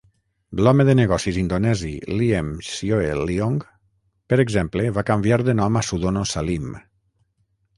L'home de negocis indonesi Liem Sioe Liong, per exemple, va canviar de nom a Sudono Salim.